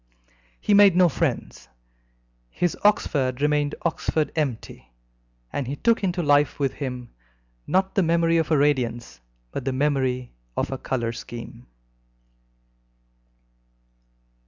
He made no friends. His Oxford remained Oxford empty, and he took into life with him, not the memory of a radiance, but the memory of a colour scheme.